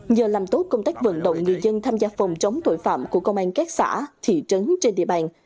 nhờ làm tốt công tác vận động người dân tham gia phòng chống tội phạm của công an các xã thị trấn trên địa bàn